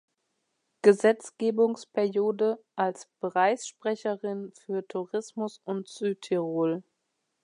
Gesetzgebungsperiode als Bereichssprecherin für Tourismus und Südtirol.